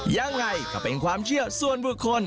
ยังไงก็เป็นความเชื่อส่วนบุคคล